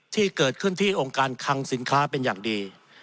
ที่เกิดขึ้นที่องค์การคังสินค้าเป็นอย่างดี